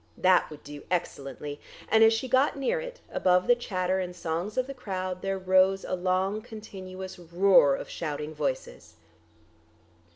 That would do excellently; and as she got near it, above the chatter and songs of the crowd there rose a long, continuous roar of shouting voices.